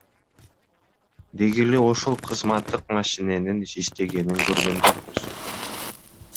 Деги эле ошол кызматтык машиненин иштегенин көргөн жокпуз.